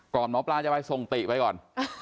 หมอปลาจะไปส่งติไปก่อน